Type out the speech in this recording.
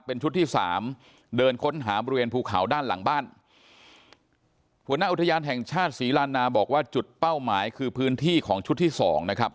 เป็นชุดที่สามเดินค้นหาบริเวณภูเขาด้านหลังบ้านหัวหน้าอุทยานแห่งชาติศรีลานาบอกว่าจุดเป้าหมายคือพื้นที่ของชุดที่สองนะครับ